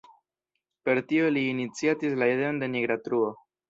Per tio li iniciatis la ideon de nigra truo.